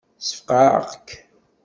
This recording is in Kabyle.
Ssfeqεeɣ-k.